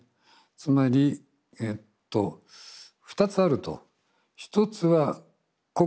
つまりえっと２つあると。